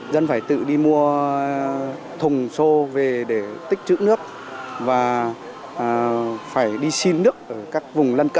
dân phải tự đi mua thùng xô về để tích chữ nước và phải đi xin nước ở các vùng lân cận